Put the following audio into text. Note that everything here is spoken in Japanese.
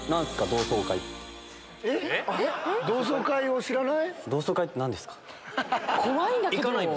同窓会を知らない？